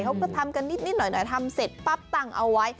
เขาก็ทำกันนิดหน่อยทำเสร็จปั๊บตั้งเอาไว้